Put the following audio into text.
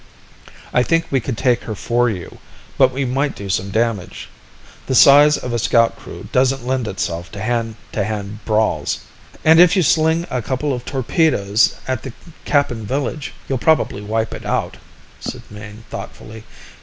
I think we could take her for you, but we might do some damage. The size of a scout crew doesn't lend itself to hand to hand brawls." "And if you sling a couple of torpedoes at the Kappan village, you'll probably wipe it out," said Mayne thoughtfully.